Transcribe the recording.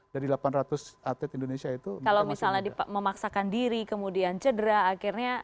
dari delapan ratus atlet indonesia itu kalau misalnya memaksakan diri kemudian cedera akhirnya